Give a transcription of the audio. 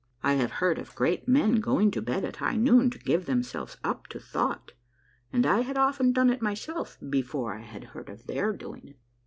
I have heard of great men going to bed at high noon to give themselves up to thought, and I had often done it myself before I had heard of their doing it.